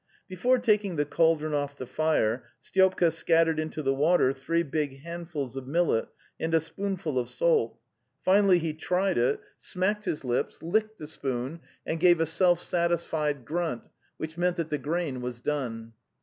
Before taking the cauldron off the fire Styopka scattered into the water three big handfuls of millet and a spoonful of salt; finally he tried it, smacked The Steppe 229 his lips, licked the spoon, and gave a self satisfied grunt, which meant that the grain was done.